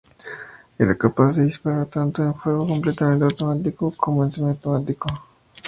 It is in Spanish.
Era capaz de disparar tanto en fuego completamente automático como en semiautomático.